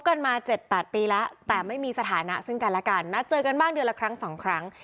กันมา๗๘ปีแล้วแต่ไม่มีสถานะซึ่งกันและกันนัดเจอกันบ้างเดือนละครั้งสองครั้ง